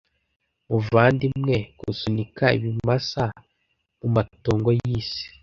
muvandimwe gusunika ibimasa mumatongo yisi